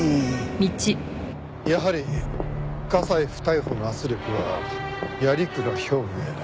やはり加西不逮捕の圧力は鑓鞍兵衛。